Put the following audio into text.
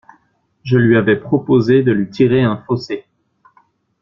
Je lui avais proposé de lui tirer un fossé.